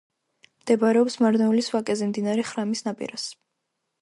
მდებარეობს მარნეულის ვაკეზე, მდინარე ხრამის ნაპირას.